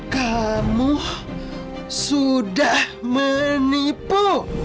kamu sudah menipu